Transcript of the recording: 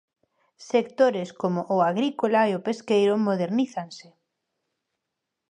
Sectores como o agrícola e o pesqueiro modernízanse.